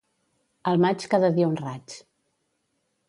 Al maig cada dia un raig